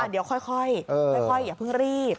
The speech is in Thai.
เดี๋ยวค่อยอย่าเพิ่งรีบ